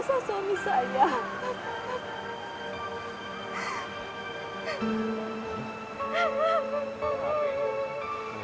tolong saya untuk mengurus jenazah suami saya